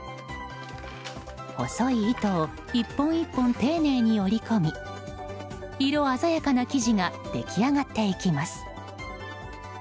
細い糸を１本１本丁寧に織り込み色鮮やかな生地が出来上がっていきます。